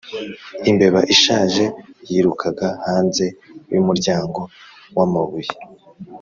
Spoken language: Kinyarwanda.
imbeba ishaje yirukaga hanze yumuryango wamabuye,